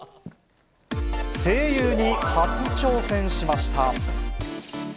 声優に初挑戦しました。